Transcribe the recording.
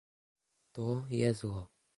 To je zlo.